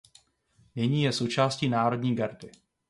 Nyní je součástí národní gardy.